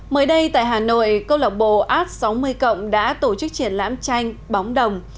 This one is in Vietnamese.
mới đây tại hà nội câu lạc bộ art sáu mươi cộng đã tổ chức triển lãm tranh bóng đồng